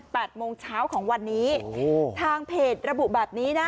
โมงเช้าของวันนี้โอ้โหทางเพจระบุแบบนี้นะ